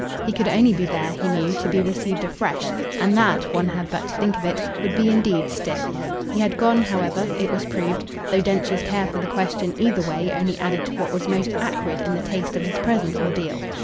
He could only be there, he knew, to be received afresh; and that one had but to think of it would be indeed stiff. He had gone, however it was proved; though Densher's care for the question either way only added to what was most acrid in the taste of his present ordeal.